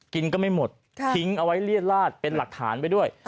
ก็ไม่หมดทิ้งเอาไว้เรียดลาดเป็นหลักฐานไปด้วย